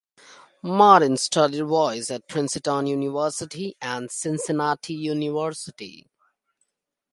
Martin studied voice at Princeton University and Cincinnati University.